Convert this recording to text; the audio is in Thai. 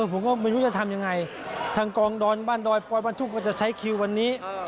ผมก็ไม่รู้จะทำยังไงทั้งกรองดอนบ้านโดยปลอดทุกคนที่จะใช้คิววันนี้